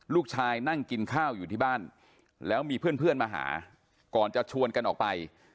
นั่งกินข้าวอยู่ที่บ้านแล้วมีเพื่อนมาหาก่อนจะชวนกันออกไป